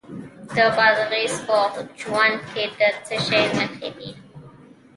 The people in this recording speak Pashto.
د بادغیس په جوند کې د څه شي نښې دي؟